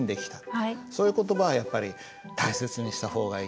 そういう言葉はやっぱり大切にした方がいいよね。